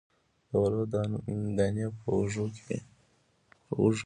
د غلو دانې په وږو کې وي.